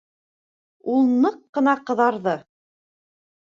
Ул ныҡ ҡына ҡыҙҙарҙы.